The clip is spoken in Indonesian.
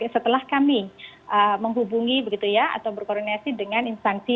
setelah kami menghubungi begitu ya atau berkoordinasi dengan instansi